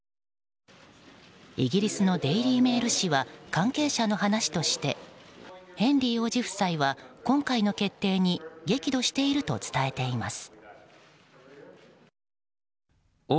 イギリスのデイリー・メール紙は関係者の話としてヘンリー王子夫妻は今回の決定に激怒していると伝えています。